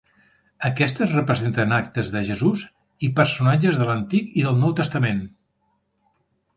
Aquestes representen actes de Jesús i personatges de l'Antic i del Nou Testament.